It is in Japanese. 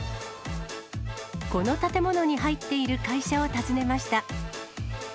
この建物に入っている会社を訪ねました。